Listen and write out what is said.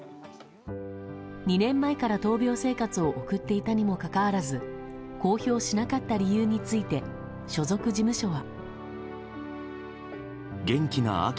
２年前から闘病生活を送っていたにもかかわらず公表しなかった理由について所属事務所は。